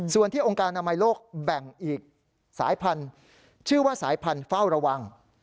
ส่วนที่องค์การอนามัยโลกแบ่งอีกสายพันธุ์ชื่อว่าสายพันธุ์เฝ้าระวัง